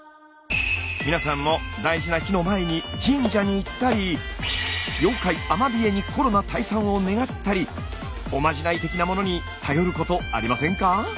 皆さんも大事な日の前に神社に行ったり妖怪アマビエにコロナ退散を願ったりおまじない的なものに頼ることありませんか？